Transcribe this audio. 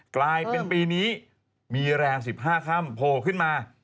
กลายเป็นปีนี้มีแรง๑๕ค่ำโผล่ขึ้นมา